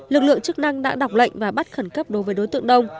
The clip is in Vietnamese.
lực lượng chức năng đã đọc lệnh và bắt khẩn cấp đối với đối tượng đông